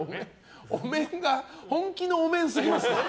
お面が本気のお面すぎます。